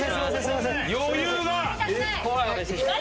余裕が。